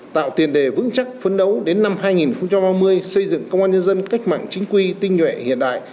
tạo tiền đề vững chắc phấn đấu đến năm hai nghìn ba mươi xây dựng công an nhân dân cách mạng chính quy tinh nhuệ hiện đại